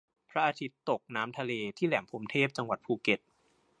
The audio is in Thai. พระอาทิตย์ตกน้ำทะเลที่แหลมพรหมเทพ จังหวัดภูเก็ต